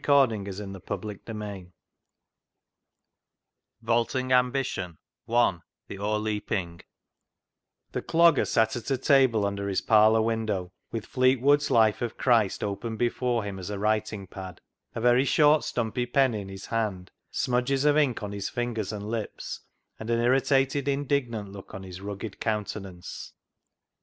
Vaulting Ambition I O'erleaping 233 Vaulting Ambition I O'erleaping The Clogger sat at a table under his parlour window with Fleetwood's Life of Christ open before him as a writing pad, a very short stumpy pen in his hand, smudges of ink on his fingers and lips, and an irritated, indignant look on his rugged countenance.